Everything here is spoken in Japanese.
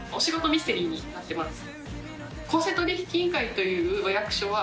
ミステリーになってます。